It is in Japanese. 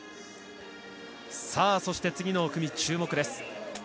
さあ、そして次の組、注目です。